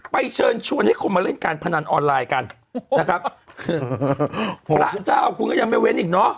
เชิญชวนให้คนมาเล่นการพนันออนไลน์กันนะครับพระเจ้าคุณก็ยังไม่เว้นอีกเนอะ